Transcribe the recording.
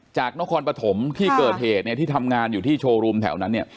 จากนครพัฐมจากนครพัฐมที่เกิดเหตุที่ทำงานอยู่ที่โชว์รูมแถวนั้นเนี่ย